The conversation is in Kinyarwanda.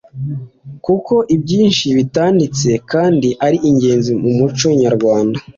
kuko ibyinshi bitanditse kandi ari ingenzi mu muco nyarwanda